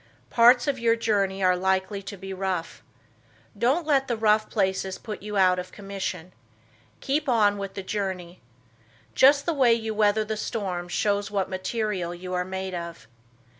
Parts of your journey are likely to be rough. Don't let the rough places put you out of commission. Keep on with the journey. Just the way you weather the storm shows what material you are made of.